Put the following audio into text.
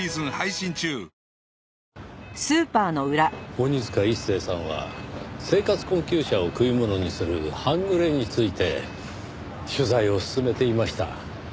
鬼塚一誠さんは生活困窮者を食い物にする半グレについて取材を進めていました。